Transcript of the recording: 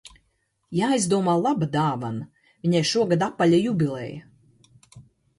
Jāizdomā laba dāvana, viņai šogad apaļa jubileja